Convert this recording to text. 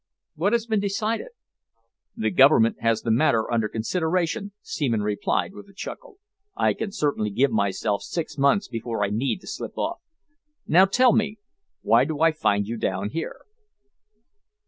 "What has been decided?" "The Government has the matter under consideration," Seaman replied, with a chuckle. "I can certainly give myself six months before I need to slip off. Now tell me, why do I find you down here?"